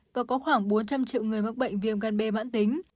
và có khoảng bốn trăm linh triệu người mắc bệnh viêm ngăn bê mãn tính